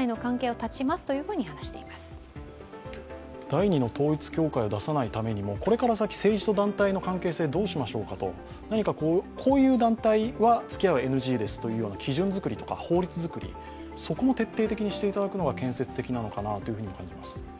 第二の統一教会を出さないためにもこれから先、政治と関係性どうしましょうかとこういう団体はつきあいはＮＧですという基準作りとか法律作りも徹底的にしていただくのが建設的かなと思います。